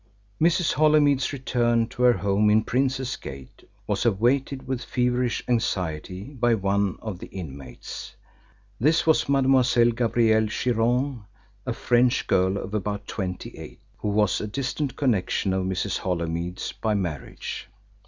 Mrs. Holymead's return to her home in Princes Gate was awaited with feverish anxiety by one of the inmates. This was Mademoiselle Gabrielle Chiron, a French girl of about twenty eight, who was a distant connection of Mrs. Holymead's by marriage.